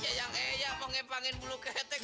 ya yang eya mau ngepangin bulu ketek